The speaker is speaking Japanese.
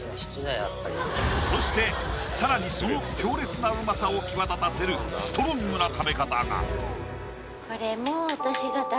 そして更にその強烈なうまさを際立たさせるストロングな食べ方が！